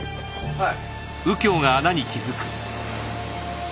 はい。